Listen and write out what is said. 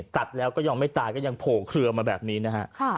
ตัดแล้วก็ยังไม่ตายก็ยังโผล่เคลือมาแบบนี้นะฮะ